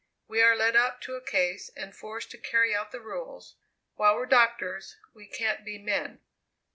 We are led up to a case and forced to carry out the rules. While we're doctors we can't be men."